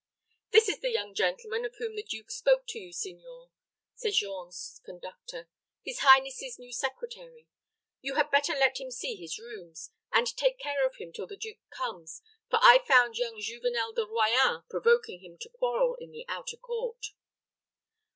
"This is the young gentleman of whom the duke spoke to you, signor," said Jean's conductor; "his highness's new secretary. You had better let him see his rooms, and take care of him till the duke comes, for I found young Juvenel de Royans provoking him to quarrel in the outer court."